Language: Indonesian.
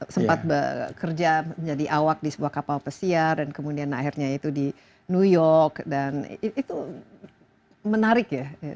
sempat bekerja menjadi awak di sebuah kapal pesiar dan kemudian akhirnya itu di new york dan itu menarik ya